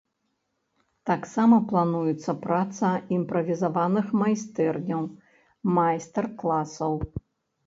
Таксама плануецца праца імправізаваных майстэрняў, майстар-класаў.